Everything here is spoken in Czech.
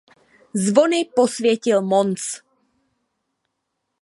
Zvony posvětil Mons.